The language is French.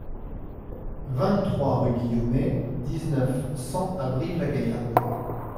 vingt-trois rue Guillaumet, dix-neuf, cent à Brive-la-Gaillarde